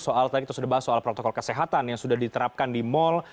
soal tadi kita sudah bahas soal protokol kesehatan yang sudah diterapkan di mal